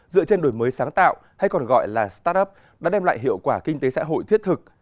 dựa trên đổi mới sáng tạo hay còn gọi là start up đã đem lại hiệu quả kinh tế xã hội thiết thực